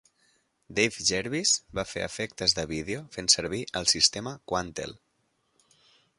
Dave Jervis va fer efectes de vídeo fent servir el sistema Quantel.